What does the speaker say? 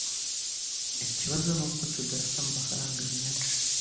Ikibazo nuko tudafite amafaranga menshi.